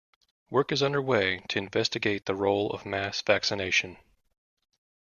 Work is under way to investigate the role of mass vaccination.